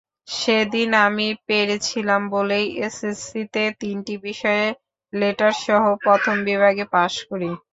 সেদিন আমি পেরেছিলাম বলেই এসএসসিতে তিনটি বিষয়ে লেটারসহ প্রথম বিভাগে পাস করি।